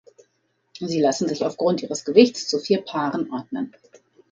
Sie lassen sich aufgrund ihres Gewichts zu vier Paaren ordnen.